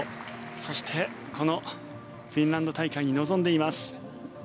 そしてこのフィンランド大会に臨んでいます。